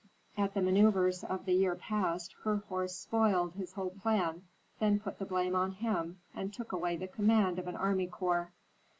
At the manœuvres of the year past, Herhor spoiled his whole plan, then put the blame on him, and took away the command of an army corps.